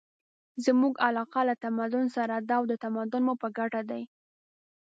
زموږ علاقه له تمدن سره ده او تمدن مو په ګټه دی.